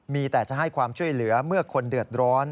มีแต่จะให้ความช่วยเหลือเมื่อคนเดือดร้อน